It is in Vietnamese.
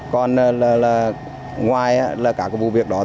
còn ngoài các vụ việc đó